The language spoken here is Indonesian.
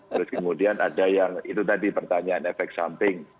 terus kemudian ada yang itu tadi pertanyaan efek samping